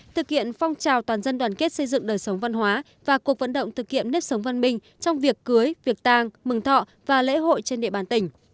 thực hiện phong trào toàn dân đoàn kết xây dựng đời sống văn hóa và cuộc vận động thực hiện nếp sống văn minh trong việc cưới việc tàng mừng thọ và lễ hội trên địa bàn tỉnh